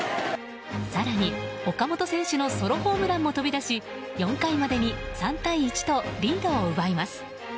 更に、岡本選手のソロホームランも飛び出し４回までに３対１とリードを奪います。